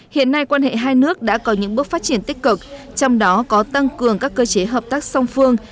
hiện nay quan hệ hai nước đã có những bước phát triển tích cực trong đó có tăng cường các cơ chế hợp tác song phương